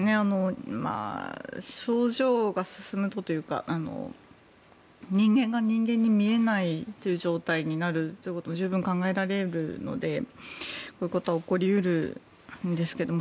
症状が進むとというか人間が人間に見えないという状態になることは十分考えられるのでこういうことは起こり得るんですけど